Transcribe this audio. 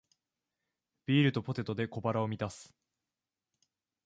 ビールとポテトで小腹を満たす